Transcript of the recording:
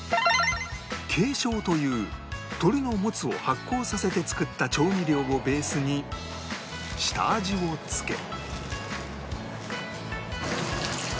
鶏醤という鶏のモツを発酵させて作った調味料をベースに下味をつけ